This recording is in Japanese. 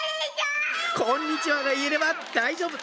「こんにちは」が言えれば大丈夫！